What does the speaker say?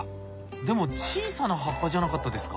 でも小さな葉っぱじゃなかったですか？